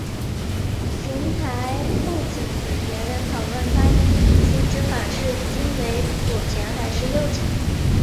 行台侯景和别人讨论穿衣衣襟之法是襟为左前还是右前。